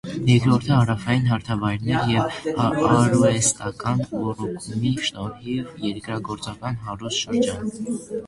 Երկրորդը՝ հարաւային, հարթավայրն էր եւ արուեստական ոռոգումի շնորհիւ երկրագործական հարուստ շրջան։